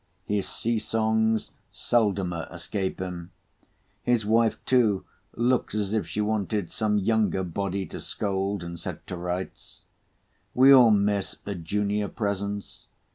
His sea songs seldomer escape him. His wife, too, looks as if she wanted some younger body to scold and set to rights. We all miss a junior presence.